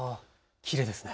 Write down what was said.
きれいですね。